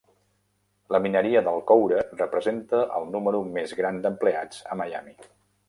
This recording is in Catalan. La mineria del coure representa el número més gran d'empleats a Miami.